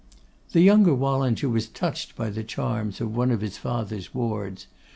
The younger Wallinger was touched by the charms of one of his father's wards.